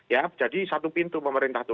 ya jadi satu pintu pemerintah itu